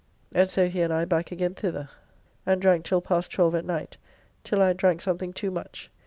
And so he and I back again thither, and drank till past 12 at night, till I had drank something too much.